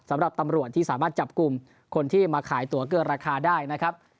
สำหรับตำรวจที่สามารถจับกลุ่มคนที่มาขายตัวเกินราคาได้นะครับ